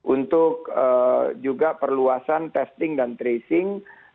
untuk juga perluasan testing dan tracing